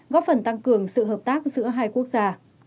góp phần tăng cường sự hợp tác giữa hai quốc gia